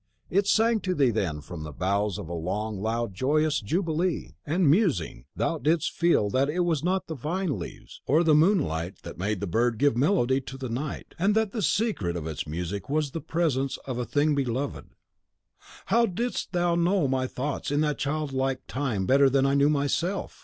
It sang to thee then from the boughs a long, loud, joyous jubilee. And musing, thou didst feel that it was not the vine leaves or the moonlight that made the bird give melody to night, and that the secret of its music was the presence of a thing beloved.' "How didst thou know my thoughts in that childlike time better than I knew myself!